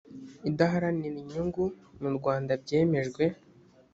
idaharanira inyungu mu rwanda byemejwe